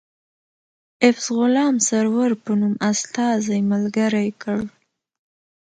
ایفز غلام سرور په نوم استازی ملګری کړ.